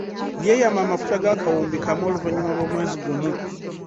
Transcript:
Yeeyama amafuta ga kawumbi kamu oluvannyuma lw’omwezi gumu.